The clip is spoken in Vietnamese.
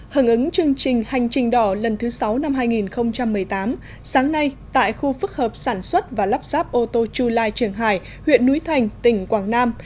hứng ứng chương trình hành trình đỏ lần thứ sáu năm hai nghìn một mươi tám sáng nay tại khu phức hợp sản xuất và lắp ráp ô tô chu lai trường hải huyện núi thành tỉnh quảng nam